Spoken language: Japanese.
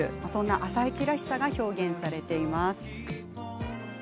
そんな「あさイチ」らしさが表現されています。